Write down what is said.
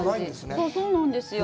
そうなんですよ。